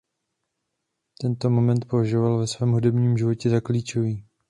Tento moment považoval ve svém hudebním životě za klíčový.